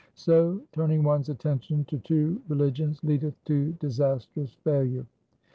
So turning one's attention to two religions leadeth to disastrous failure.